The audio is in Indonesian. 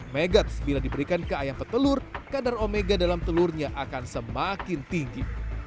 megats bila diberikan ke ayam petelur kadar omega dalam telurnya akan semakin tinggi